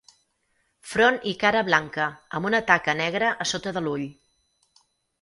Front i cara blanca amb una taca negra a sota de l'ull.